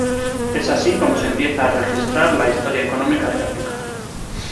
Es así como se empieza a registrar la Historia económica de África.